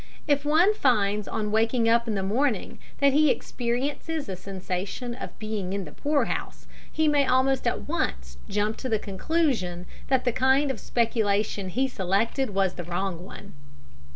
If one finds on waking up in the morning that he experiences a sensation of being in the poor house, he may almost at once jump to the conclusion that the kind of speculation he selected was the wrong one.